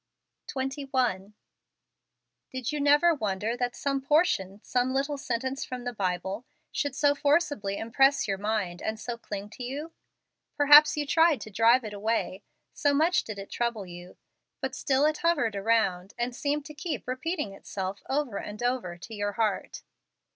FEBRUARY. 23 21. Did you never wonder that some por¬ tion some little sentence from the Bible, should so forcibly impress your mind, and so cling to you ? Perhaps you tried to drive it away, so much did it trouble you, but still it hovered around, and seemed to keep repeat¬ ing itself over and over to your heart.